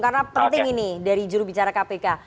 karena penting ini dari juru bicara kpk